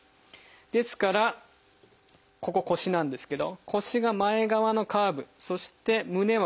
ですからここ腰なんですけど腰が前側のカーブそして胸は後ろ側のカーブ。